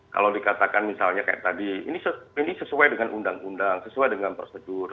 kalau dikatakan misalnya kayak tadi ini sesuai dengan undang undang sesuai dengan prosedur